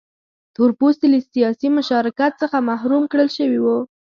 تور پوستي له سیاسي مشارکت څخه محروم کړل شوي وو.